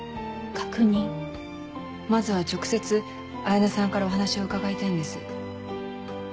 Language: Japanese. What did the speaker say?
まずは直接彩菜さんからお話を伺いたいんです。